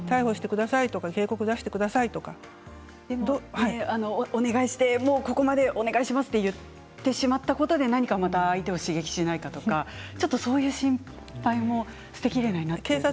逮捕してくださいとかお願いをしてここまでお願いしてしまったことで何か相手を刺激しないかとかそういう心配も捨てきれないなと思います。